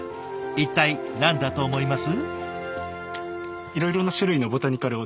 一体何だと思います？